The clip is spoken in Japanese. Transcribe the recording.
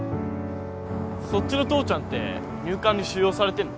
そっちの父ちゃんって入管に収容されてんの？